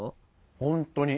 本当に。